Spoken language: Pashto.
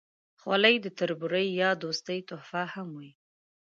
خولۍ د تربورۍ یا دوستۍ تحفه هم وي.